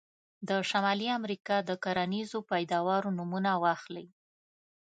د شمالي امریکا د کرنیزو پیداوارو نومونه واخلئ.